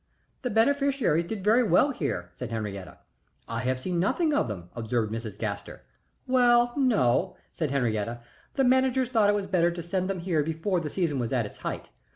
"The beneficiaries did very well here," said Henriette. "I have seen nothing of them," observed Mrs. Gaster. "Well no," said Henriette. "The managers thought it was better to send them here before the season was at its height.